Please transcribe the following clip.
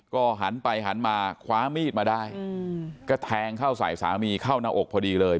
ก็หันไปหันมาคว้ามีดมาได้ก็แทงเข้าใส่สามีเข้าหน้าอกพอดีเลย